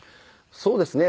そうですね。